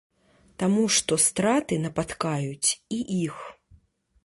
Таму што страты напаткаюць і іх.